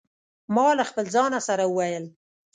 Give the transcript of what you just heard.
ما له خپل ځانه سره وویل.